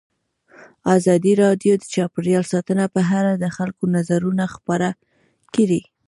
ازادي راډیو د چاپیریال ساتنه په اړه د خلکو نظرونه خپاره کړي.